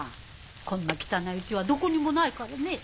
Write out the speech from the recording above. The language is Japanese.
こんな汚い家はどこにもないからね。